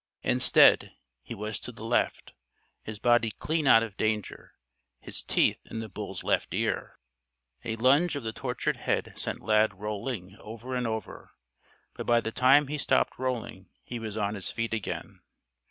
Instead, he was to the left, his body clean out of danger, his teeth in the bull's left ear. A lunge of the tortured head sent Lad rolling over and over. But by the time he stopped rolling he was on his feet again.